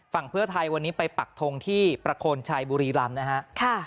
เพื่อไทยวันนี้ไปปักทงที่ประโคนชัยบุรีรำนะฮะ